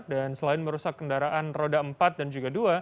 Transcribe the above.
dan selain merusak kendaraan roda empat dan juga dua